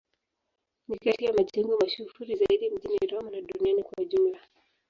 Ni kati ya majengo mashuhuri zaidi mjini Roma na duniani kwa ujumla.